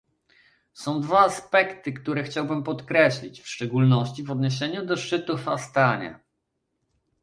Są dwa aspekty, które chciałbym podkreślić, w szczególności w odniesieniu do szczytu w Astanie